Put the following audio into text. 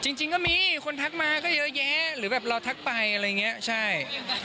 จริงก็มีคนทักมาก็เยอะแยะหรือแบบเราทักไปอะไรอย่างนี้ใช่